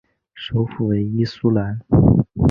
首府为伊苏兰。